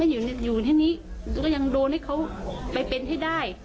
อยู่ที่นี้ก็ยังโดนให้เขาไปเป็นให้ได้